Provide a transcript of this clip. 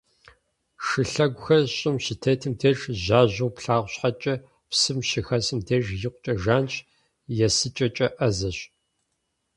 Шылъэгухэр щӏым щытетым деж жьажьэу плъагъу щхьэкӏэ, псым щыхэсым деж икъукӏэ жанщ, есыкӏэкӏэ ӏэзэщ.